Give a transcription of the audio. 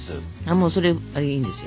もうそれいいんですよ。